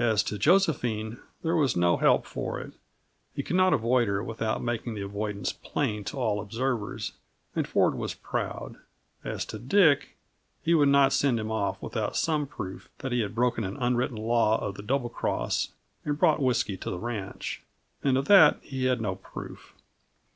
As to Josephine, there was no help for it; he could not avoid her without making the avoidance plain to all observers, and Ford was proud. As to Dick, he would not send him off without some proof that he had broken an unwritten law of the Double Cross and brought whisky to the ranch; and of that he had no proof.